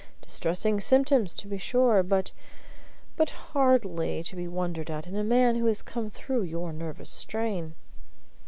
Distressing symptoms, to be sure, but but hardly to be wondered at in a man who has come through your nervous strain."